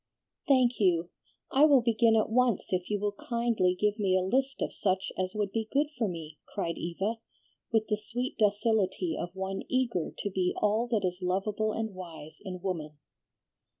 "Thank you! I will begin at once if you will kindly give me a list of such as would be good for me," cried Eva, with the sweet docility of one eager to be all that is lovable and wise in woman.